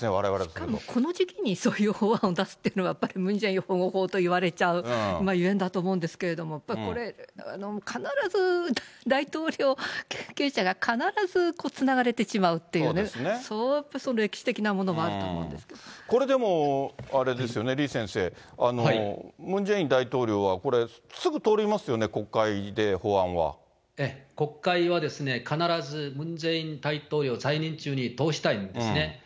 しかもその時期にそういう法案を出すっていうのが、やっぱりムン・ジェイン保護法と言われちゃうゆえんだと思うんですけど、やっぱりこれ、必ず大統領経験者が、必ずつながれてしまうというね、それは歴史的なものもあると思うこれでも、あれですよね、李先生、ムン・ジェイン大統領はこれ、すぐ通りますよね、国会はですね、必ずムン・ジェイン大統領在任中に通したいんですね。